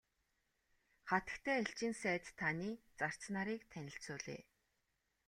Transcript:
Хатагтай элчин сайд таны зарц нарыг танилцуулъя.